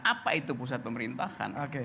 apa itu pusat pemerintahan